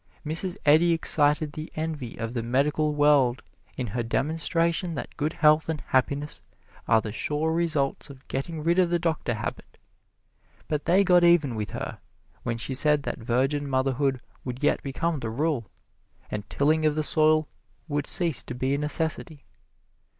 Mrs. Eddy excited the envy of the medical world in her demonstration that good health and happiness are the sure results of getting rid of the doctor habit; but they got even with her when she said that virgin motherhood would yet become the rule, and tilling of the soil would cease to be a necessity.